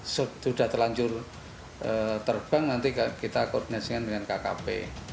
sudah terlanjur terbang nanti kita koordinasikan dengan kkp